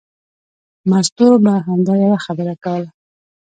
مستو به همدا یوه خبره کوله.